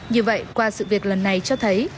như vậy qua sự việc lần này cho thấy